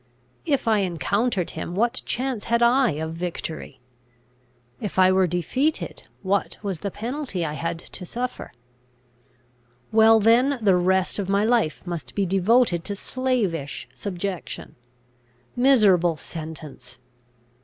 If I encountered him, what chance had I of victory? If I were defeated, what was the penalty I had to suffer? Well then, the rest of my life must be devoted to slavish subjection. Miserable sentence!